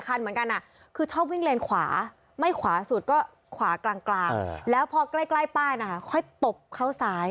คันเหมือนกันคือชอบวิ่งเลนขวาไม่ขวาสุดก็ขวากลางแล้วพอใกล้ป้ายนะคะค่อยตบเข้าซ้าย